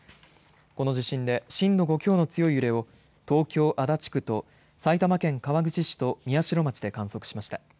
この地震で震度５強の強い揺れを東京、足立区と埼玉県川口市と宮代町で観測しました。